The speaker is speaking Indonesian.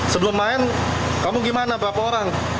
sebelum main kamu gimana berapa orang